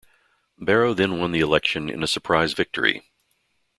Barrow then won the election in a surprise victory.